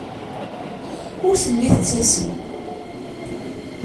Ur telli tettasem.